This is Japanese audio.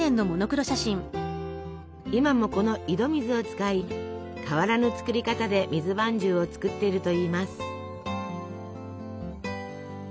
今もこの井戸水を使い変わらぬ作り方で水まんじゅうを作ってるといいます。